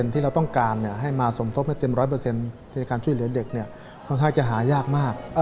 ที่ทำการช่วยเหลือเด็กคันไทยจะหายากมาก